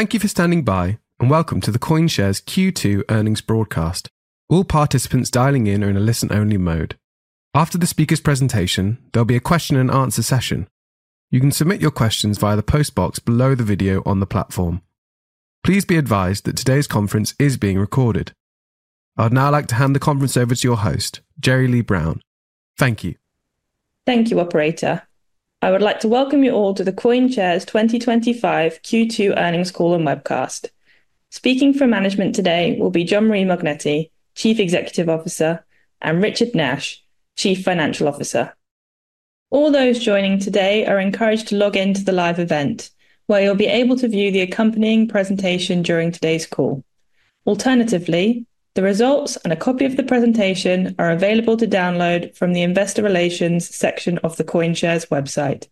Thank you for standing by and welcome to the CoinShares Q2 Earnings Broadcast. All participants dialing in are in a listen-only mode. After the speaker's presentation, there'll be a question-and-answer session. You can submit your questions via the postbox below the video on the platform. Please be advised that today's conference is being recorded. I'd now like to hand the conference over to your host, Jeri-Lea Brown. Thank you. Thank you, operator. I would like to welcome you all to the CoinShares 2025 Q2 Earnings Call and Webcast. Speaking for management today will be Jean-Marie Mognetti, Chief Executive Officer, and Richard Nash, Chief Financial Officer. All those joining today are encouraged to log in to the live event, where you'll be able to view the accompanying presentation during today's call. Alternatively, the results and a copy of the presentation are available to download from the investor relations section of the CoinShares' website.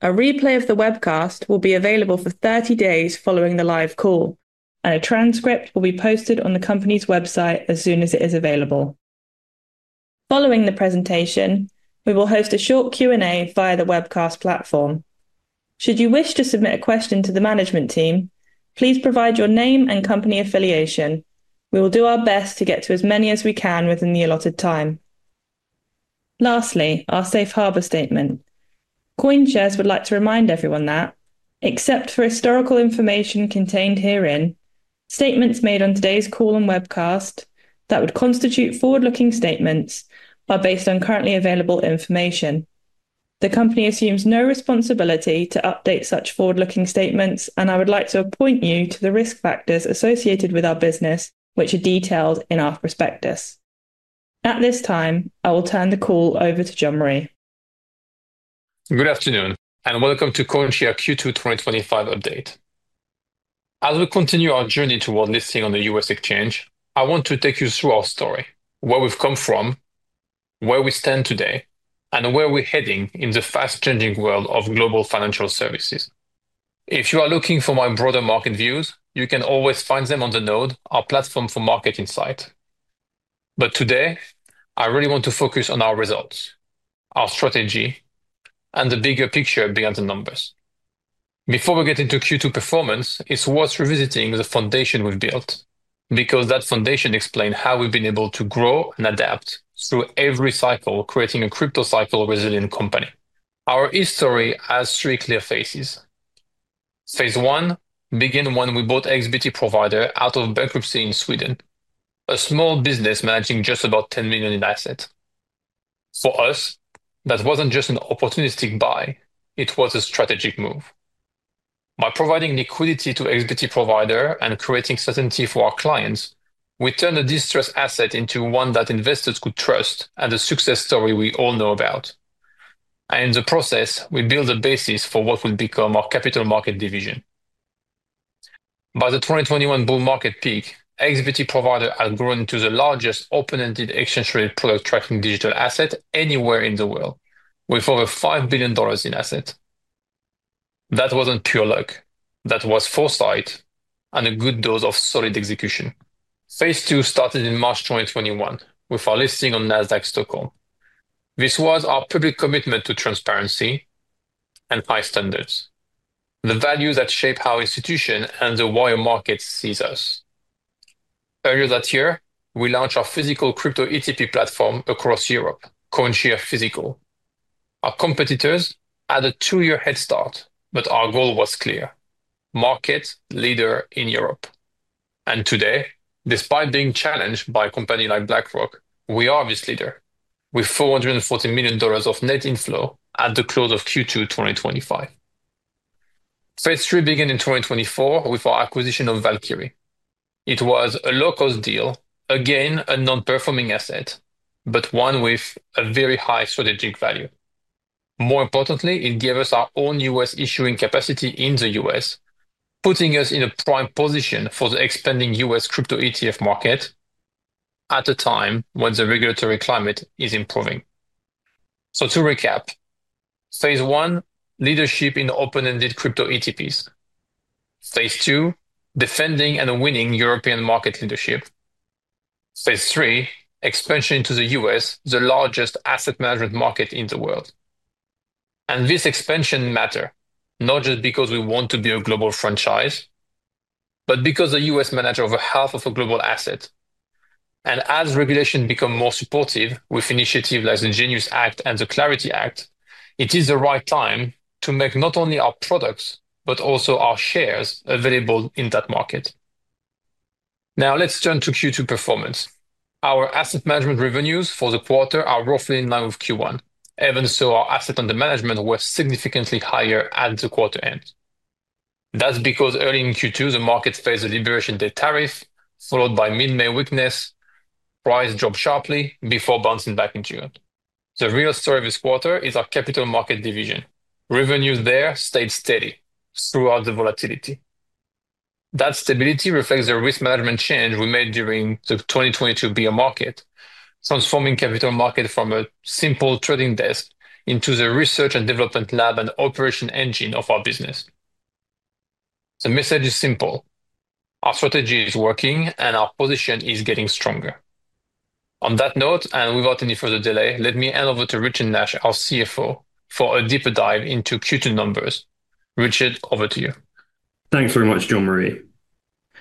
A replay of the webcast will be available for 30 days following the live call, and a transcript will be posted on the company's website as soon as it is available. Following the presentation, we will host a short Q&A via the webcast platform. Should you wish to submit a question to the management team, please provide your name and company affiliation. We will do our best to get to as many as we can within the allotted time. Lastly, our safe harbor statement. CoinShares would like to remind everyone that, except for historical information contained herein, statements made on today's call and webcast that would constitute forward-looking statements are based on currently available information. The company assumes no responsibility to update such forward-looking statements, and I would like to point you to the risk factors associated with our business, which are detailed in our prospectus. At this time, I will turn the call over to Jean-Marie. Good afternoon, and welcome to CoinShares Q2 2025 update. As we continue our journey toward listing on the U.S. Exchange, I want to take you through our story, where we've come from, where we stand today, and where we're heading in the fast-changing world of global financial services. If you are looking for my broader market views, you can always find them on the Node, our platform for market insight. Today, I really want to focus on our results, our strategy, and the bigger picture beyond the numbers. Before we get into Q2 performance, it's worth revisiting the foundation we've built, because that foundation explains how we've been able to grow and adapt through every cycle, creating a crypto-cycle resilient company. Our story has three clear phases. Phase I begins when we bought XBT Provider out of bankruptcy in Sweden, a small business managing just about $10 million in assets. For us, that wasn't just an opportunistic buy; it was a strategic move. By providing liquidity to XBT Provider and creating certainty for our clients, we turned a distressed asset into one that investors could trust and a success story we all know about. In the process, we built the basis for what would become our capital markets division. By the 2021 bull market peak, XBT Provider had grown to the largest open-ended exchange-traded product tracking digital asset anywhere in the world, with over $5 billion in assets. That wasn't pure luck; that was foresight and a good dose of solid execution. Phase II started in March 2021, with our listing on Nasdaq Stockholm. This was our public commitment to transparency and high standards, the values that shape how institutions and the wider market see us. Earlier that year, we launched our physical crypto ETP platform across Europe, CoinShares Physical. Our competitors had a two-year head start, but our goal was clear: market leader in Europe. Today, despite being challenged by a company like BlackRock, we are this leader, with $440 million of net inflow at the close of Q2 2025. Phase III began in 2024 with our acquisition of Valkyrie. It was a low-cost deal, again a non-performing asset, but one with a very high strategic value. More importantly, it gave us our own U.S. issuing capacity in the U.S., putting us in a prime position for the expanding U.S. crypto ETF market at a time when the regulatory climate is improving. To recap: Phase I, leadership in open-ended crypto ETPs. Phase II, defending and winning European market leadership. Phase III, expansion into the U.S., the largest asset management market in the world. This expansion matters, not just because we want to be a global franchise, but because the U.S. manages over half of our global assets. As regulations become more supportive, with initiatives like the GENIUS Act and the Clarity Act, it is the right time to make not only our products but also our shares available in that market. Now, let's turn to Q2 performance. Our asset management revenues for the quarter are roughly in line with Q1, even though our assets under management were significantly higher at the quarter end. That's because early in Q2, the markets faced the Liberation Day tariffs, followed by mid-May weakness. Prices dropped sharply before bouncing back in June. The real story of this quarter is our capital market division. Revenues there stayed steady throughout the volatility. That stability reflects the risk management change we made during the 2022 bear market, transforming the capital market from a simple trading desk into the research and development lab and operation engine of our business. The message is simple: our strategy is working, and our position is getting stronger. On that note, and without any further delay, let me hand over to Richard Nash, our Chief Financial Officer, for a deeper dive into Q2 numbers. Richard, over to you. Thanks very much, Jean-Marie.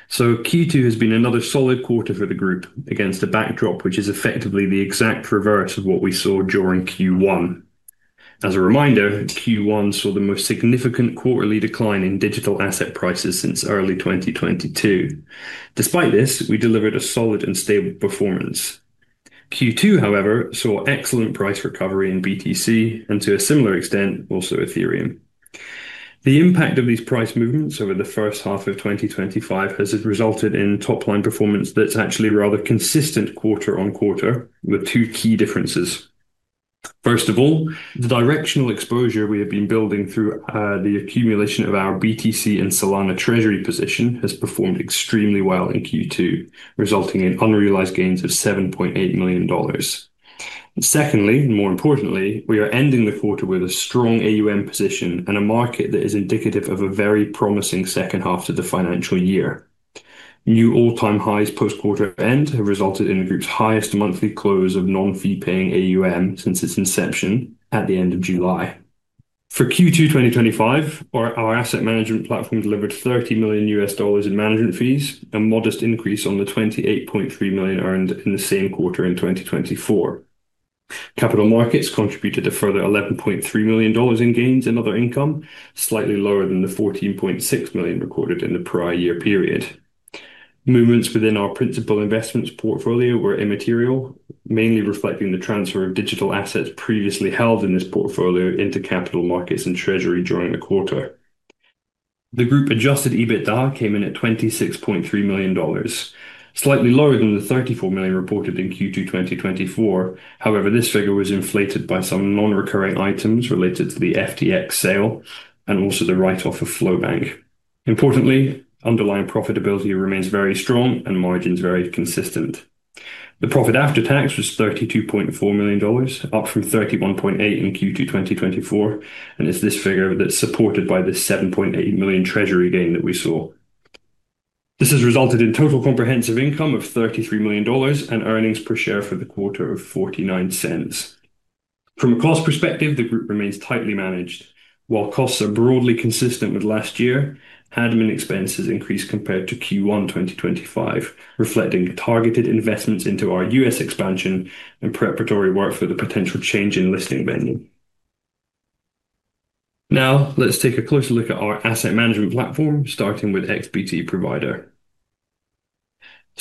Q2 has been another solid quarter for the group, against a backdrop which is effectively the exact reverse of what we saw during Q1. As a reminder, Q1 saw the most significant quarterly decline in digital asset prices since early 2022. Despite this, we delivered a solid and stable performance. Q2, however, saw excellent price recovery in BTC and, to a similar extent, also Ethereum. The impact of these price movements over the first half of 2025 has resulted in top-line performance that's actually rather consistent quarter-on-quarter, with two key differences. First of all, the directional exposure we have been building through the accumulation of our BTC and Solana treasury position has performed extremely well in Q2, resulting in unrealized gains of $7.8 million. Secondly, and more importantly, we are ending the quarter with a strong AUM position and a market that is indicative of a very promising second half to the financial year. New all-time highs post-quarter end have resulted in the group's highest monthly close of non-fee-paying AUM since its inception at the end of July. For Q2 2025, our asset management platform delivered $30 million in management fees, a modest increase on the $28.3 million earned in the same quarter in 2024. Capital markets contributed a further $11.3 million in gains in other income, slightly lower than the $14.6 million recorded in the prior year period. Movements within our principal investments portfolio were immaterial, mainly reflecting the transfer of digital assets previously held in this portfolio into capital markets and treasury during the quarter. The group adjusted EBITDA came in at $26.3 million, slightly lower than the $34 million reported in Q2 2024. However, this figure was inflated by some non-recurring items related to the FTX sale and also the write-off of Flowbank. Importantly, underlying profitability remains very strong, and margins are very consistent. The profit after tax was $32.4 million, up from $31.8 million in Q2 2024, and it's this figure that's supported by the $7.8 million treasury gain that we saw. This has resulted in total comprehensive income of $33 million and earnings per share for the quarter of $0.49. From a cost perspective, the group remains tightly managed. While costs are broadly consistent with last year, admin expenses increased compared to Q1 2025, reflecting targeted investments into our U.S. expansion and preparatory work for the potential change in listing venue. Now, let's take a closer look at our asset management platform, starting with the XBT Provider.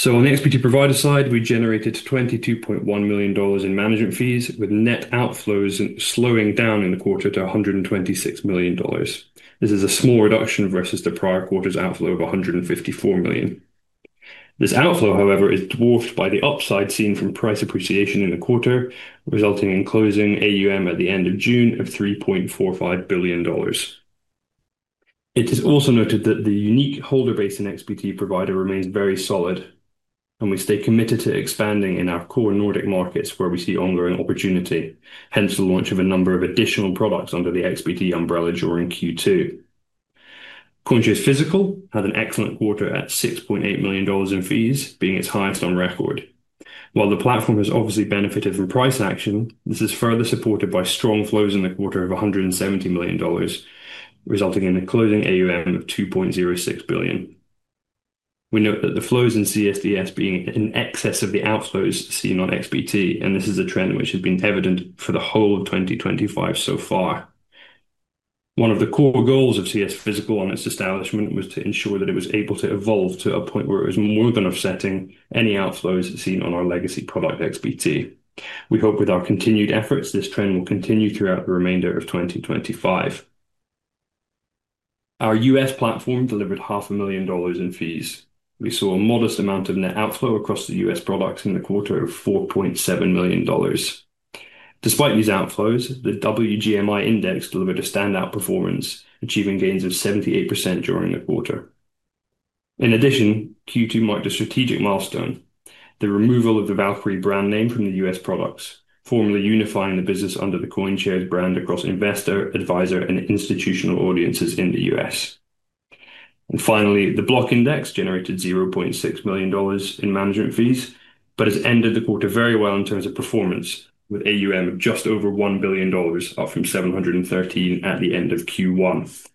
On the XBT Provider side, we generated $22.1 million in management fees, with net outflows slowing down in the quarter to $126 million. This is a small reduction versus the prior quarter's outflow of $154 million. This outflow, however, is dwarfed by the upside seen from price appreciation in the quarter, resulting in closing AUM at the end of June of $3.45 billion. It is also noted that the unique holder base in XBT Provider remains very solid, and we stay committed to expanding in our core Nordic markets where we see ongoing opportunity, hence the launch of a number of additional products under the XBT umbrella during Q2. CoinShares Physical had an excellent quarter at $6.8 million in fees, being its highest on record. While the platform has obviously benefited from price action, this is further supported by strong flows in the quarter of $170 million, resulting in a closing AUM of $2.06 billion. We note that the flows in CoinShares Physical being in excess of the outflows seen on XBT, and this is a trend which has been evident for the whole of 2025 so far. One of the core goals of CS Physical on its establishment was to ensure that it was able to evolve to a point where it was more than offsetting any outflows seen on our legacy product, XBT. We hope with our continued efforts, this trend will continue throughout the remainder of 2025. Our U.S. platform delivered $500,000 in fees. We saw a modest amount of net outflow across the U.S. products in the quarter of $4.7 million. Despite these outflows, the WGMI index delivered a standout performance, achieving gains of 78% during the quarter. In addition, Q2 marked a strategic milestone: the removal of the Valkyrie brand name from the U.S. products, formally unifying the business under the CoinShares brand across investor, advisor, and institutional audiences in the U.S. Finally, the Block Index generated $0.6 million in management fees, but has ended the quarter very well in terms of performance, with AUM just over $1 billion, up from $713 million at the end of Q1.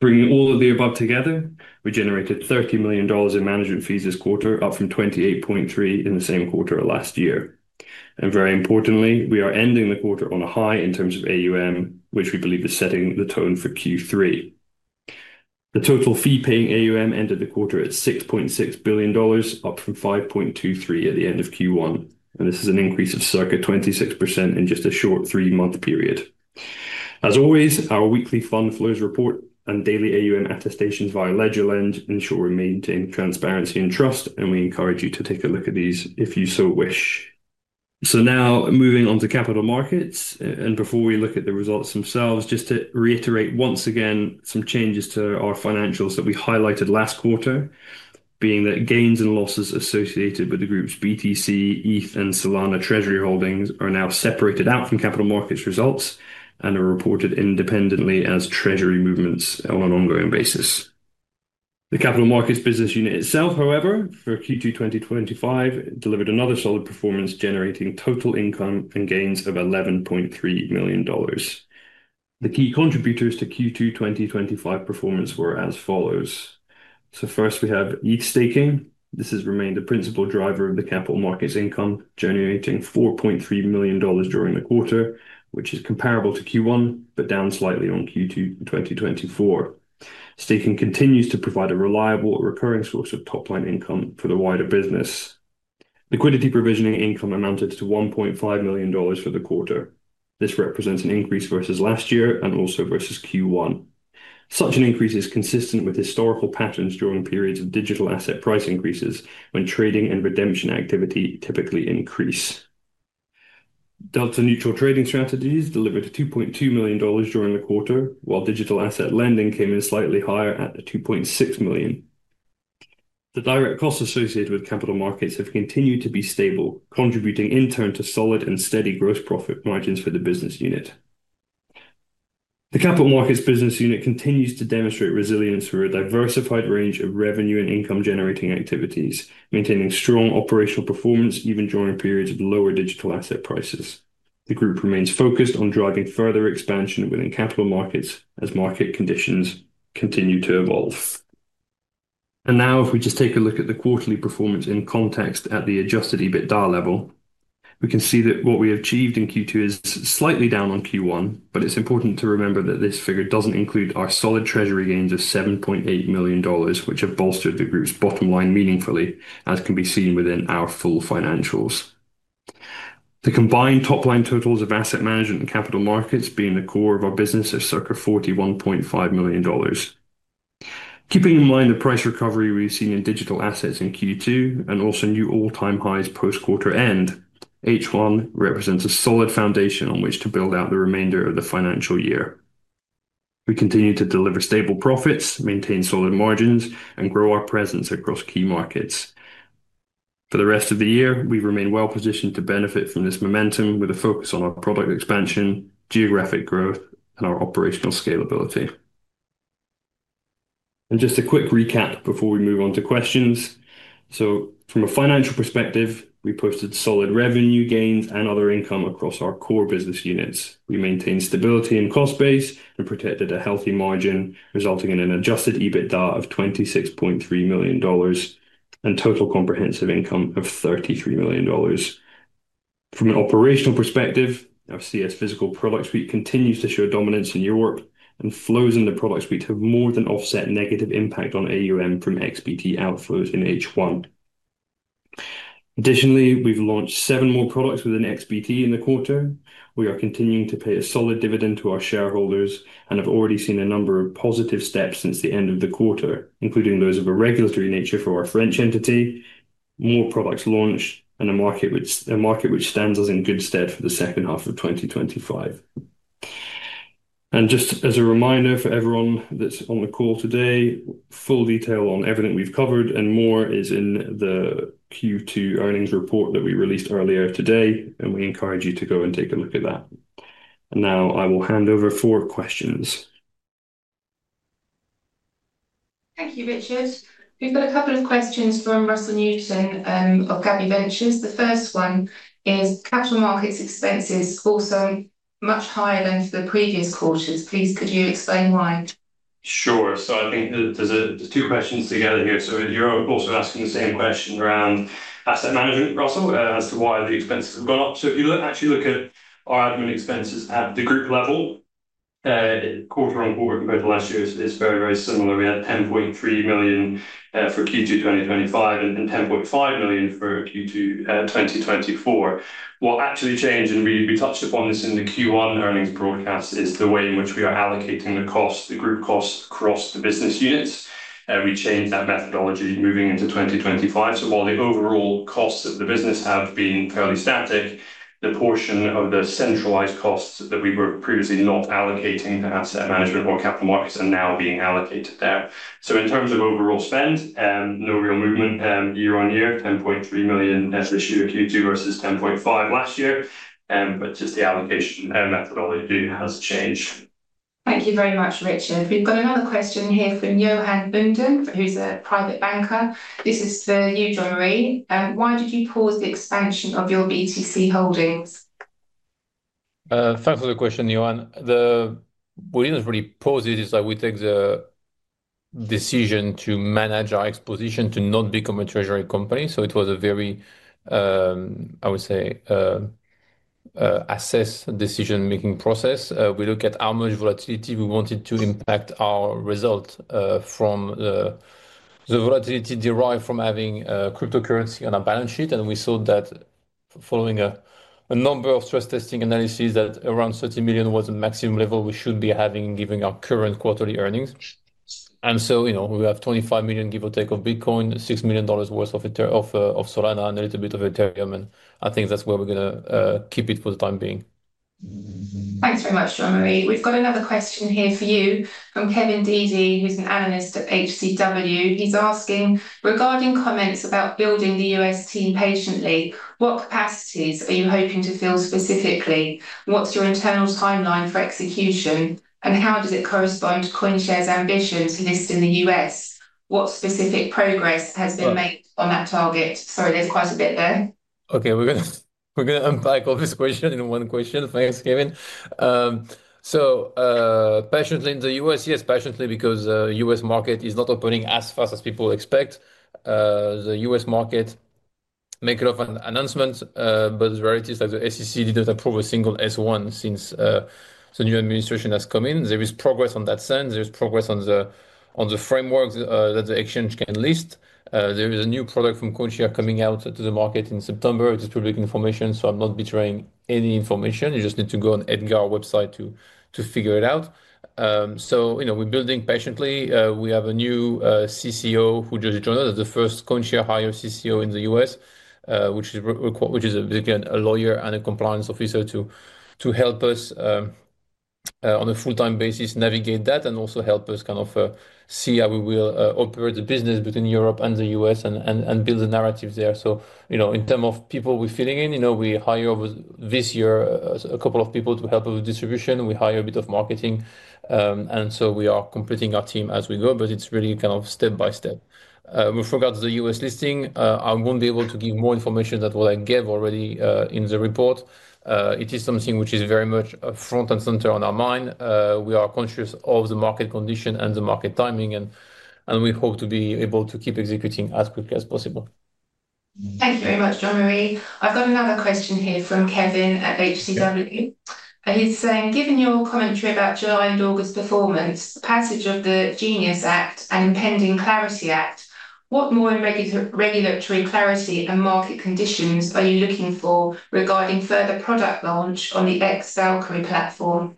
Bringing all of the above together, we generated $30 million in management fees this quarter, up from $28.3 million in the same quarter of last year. Very importantly, we are ending the quarter on a high in terms of AUM, which we believe is setting the tone for Q3. The total fee-paying AUM ended the quarter at $6.6 billion, up from $5.23 billion at the end of Q1. This is an increase of circa 26% in just a short three-month period. As always, our weekly fund flow reports and daily AUM attestations via LedgerLens ensure we maintain transparency and trust, and we encourage you to take a look at these if you so wish. Now, moving on to capital markets, and before we look at the results themselves, just to reiterate once again some changes to our financials that we highlighted last quarter, being that gains and losses associated with the group's BTC, ETH, and Solana treasury holdings are now separated out from capital markets results and are reported independently as treasury movements on an ongoing basis. The capital markets business unit itself, however, for Q2 2025, delivered another solid performance, generating total income and gains of $11.3 million. The key contributors to Q2 2025 performance were as follows. First, we have ETH staking. This has remained a principal driver of the capital markets income, generating $4.3 million during the quarter, which is comparable to Q1, but down slightly on Q2 2024. Staking continues to provide a reliable, recurring source of top-line income for the wider business. Liquidity provisioning income amounted to $1.5 million for the quarter. This represents an increase versus last year and also versus Q1. Such an increase is consistent with historical patterns during periods of digital asset price increases, when trading and redemption activity typically increase. Delta neutral trading strategies delivered $2.2 million during the quarter, while digital asset lending came in slightly higher at $2.6 million. The direct costs associated with capital markets have continued to be stable, contributing in turn to solid and steady gross profit margins for the business unit. The capital markets business unit continues to demonstrate resilience through a diversified range of revenue and income-generating activities, maintaining strong operational performance even during periods of lower digital asset prices. The group remains focused on driving further expansion within capital markets as market conditions continue to evolve. If we just take a look at the quarterly performance in context at the adjusted EBITDA level, we can see that what we achieved in Q2 is slightly down on Q1, but it's important to remember that this figure doesn't include our solid treasury gains of $7.8 million, which have bolstered the group's bottom line meaningfully, as can be seen within our full financials. The combined top-line totals of asset management and capital markets, being the core of our business, are circa $41.5 million. Keeping in mind the price recovery we've seen in digital assets in Q2 and also new all-time highs post-quarter end, H1 represents a solid foundation on which to build out the remainder of the financial year. We continue to deliver stable profits, maintain solid margins, and grow our presence across key markets. For the rest of the year, we remain well-positioned to benefit from this momentum with a focus on our product expansion, geographic growth, and our operational scalability. A quick recap before we move on to questions. From a financial perspective, we posted solid revenue gains and other income across our core business units. We maintained stability in cost base and protected a healthy margin, resulting in an adjusted EBITDA of $26.3 million and total comprehensive income of $33 million. From an operational perspective, our CS Physical product suite continues to show dominance in Europe, and flows in the product suite have more than offset negative impact on AUM from XBT outflows in H1. Additionally, we've launched seven more products within XBT in the quarter. We are continuing to pay a solid dividend to our shareholders and have already seen a number of positive steps since the end of the quarter, including those of a regulatory nature for our French entity, more products launched, and a market which stands us in good stead for the second half of 2025. As a reminder for everyone that's on the call today, full detail on everything we've covered and more is in the Q2 earnings report that we released earlier today, and we encourage you to go and take a look at that. I will hand over for questions. Thank you, Richard. We've got a couple of questions from Russell Newton of GABI Ventures. The first one is, capital markets expenses also much higher than the previous quarters. Please, could you explain why? Sure. I think there's two questions together here. You're also asking the same question around asset management, Russell, as to why the expenses have gone up. If you actually look at our admin expenses at the group level, quarter-on-quarter compared to last year is very, very similar. We had $10.3 million for Q2 2025 and $10.5 million for Q2 2024. What actually changed, and we touched upon this in the Q1 earnings broadcast, is the way in which we are allocating the costs, the group costs across the business units. We changed that methodology moving into 2025. While the overall costs of the business have been fairly static, the portion of the centralized costs that we were previously not allocating to asset management or capital markets are now being allocated there. In terms of overall spend, no real movement year-on-year. $10.3 million as this year Q2 versus $10.5 million last year, but just the allocation and methodology has changed. Thank you very much, Richard. We've got another question here from Johan Bunden, who's a private banker. This is for you, Jean-Marie. Why did you pause the expansion of your BTC holdings? Thanks for the question, Johan. The reason I really paused it is that we took the decision to manage our exposition to not become a treasury company. It was a very, I would say, assessed decision-making process. We looked at how much volatility we wanted to impact our result from the volatility derived from having cryptocurrency on our balance sheet. We saw that following a number of stress testing analyses that around $30 million was the maximum level we should be having given our current quarterly earnings. We have $25 million, give or take, on BTC, $6 million worth of Solana, and a little bit of Ethereum. I think that's where we're going to keep it for the time being. Thanks very much, Jean-Marie. We've got another question here for you from Kevin Dede, who's an analyst at HCW. He's asking, regarding comments about building the U.S. team patiently, what capacities are you hoping to fill specifically? What's your internal timeline for execution? How does it correspond to CoinShares' ambition to list in the U.S? What specific progress has been made on that target? Sorry, there's quite a bit there. Okay, we're going to unpack all this question in one question. Thanks, Kevin. Passionately in the U.S., yes, passionately because the U.S. market is not opening as fast as people expect. The U.S. market makes often announcements, but the reality is that the SEC didn't approve a single S-1 since the new administration has come in. There is progress in that sense. There is progress on the framework that the exchange can list. There is a new product from CoinShares coming out to the market in September. It is public information, so I'm not betraying any information. You just need to go and edge our website to figure it out. We're building patiently. We have a new CCO who just joined. That's the first CoinShares hire CCO in the U.S., which is basically a lawyer and a compliance officer to help us on a full-time basis navigate that and also help us see how we will operate the business between Europe and the U.S. and build the narratives there. In terms of people we're filling in, we hired this year a couple of people to help us with distribution. We hired a bit of marketing. We are completing our team as we go, but it's really kind of step by step. With regards to the U.S. Listing, I won't be able to give more information than what I gave already in the report. It is something which is very much front and center on our mind. We are conscious of the market condition and the market timing, and we hope to be able to keep executing as quickly as possible. Thank you very much, Jean-Marie. I've got another question here from Kevin at HCW. He's saying, given your commentary about July and August performance, the passage of the GENIUS Act and impending Clarity Act, what more regulatory clarity and market conditions are you looking for regarding further product launch on the CoinShares platform?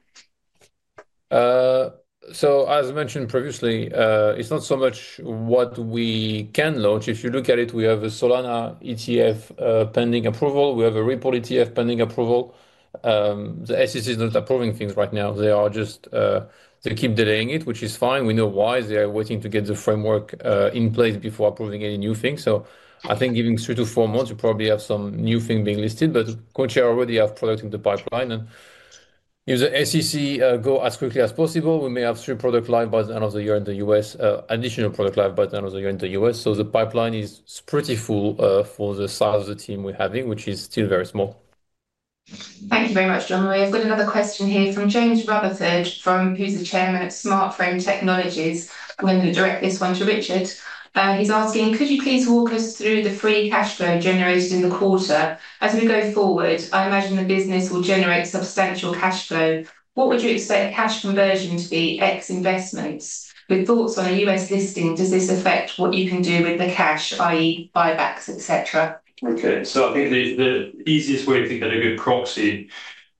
As mentioned previously, it's not so much what we can launch. If you look at it, we have a Solana ETF pending approval. We have a Ripple ETF pending approval. The SEC is not approving things right now. They just keep delaying it, which is fine. We know why. They are waiting to get the framework in place before approving any new things. I think giving three to four months, you probably have some new things being listed, but CoinShares already has products in the pipeline. If the SEC goes as quickly as possible, we may have three product lines by the end of the year in the U.S., additional product lines by the end of the year in the U.S. The pipeline is pretty full for the size of the team we're having, which is still very small. Thank you very much, Jean-Marie. I've got another question here from James Rutherford, who's the Chairman at Smartframe Technologies. I'm going to direct this one to Richard. He's asking, could you please walk us through the free cash flow generated in the quarter? As we go forward, I imagine the business will generate substantial cash flow. What would you expect a cash conversion to be ex-investments? With thoughts on a U.S. Listing, does this affect what you can do with the cash, i.e. buybacks, etc.? Okay, I think the easiest way to think that it would be a proxy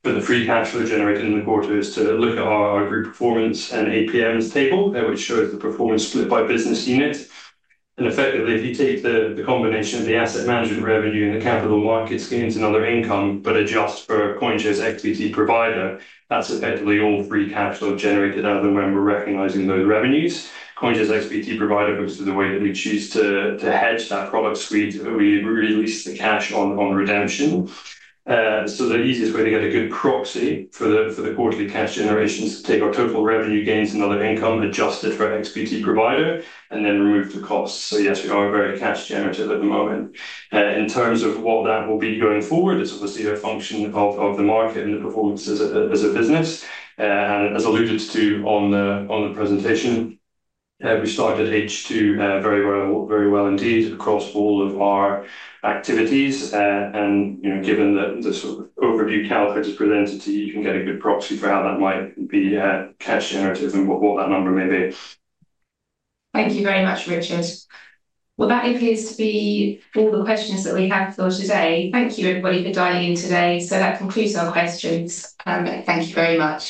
for the free cash flow generated in the quarter is to look at our group performance and APMs table, which shows the performance split by business unit. Effectively, if you take the combination of the asset management revenue and the capital markets gains and other income, but adjust for CoinShares XBT Provider, that's effectively all free cash flow generated other than when we're recognizing those revenues. CoinShares XBT Provider, because of the way that we choose to hedge that product, we release the cash on redemption. The easiest way to get a good proxy for the quarterly cash generation is to take our total revenue gains and other income, adjust it for XBT Provider, and then remove the costs. Yes, we are very cash-generative at the moment. In terms of what that will be going forward, it's obviously a function of the market and the performances of the business. As alluded to on the presentation, we started H2 very well, very well indeed across all of our activities. Given that this overview calculator is presented to you, you can get a good proxy for how that might be cash-generative and what that number may be. Thank you very much, Richard. That appears to be all the questions that we have for today. Thank you, everybody, for dialing in today. That concludes our livestreams. Thank you very much.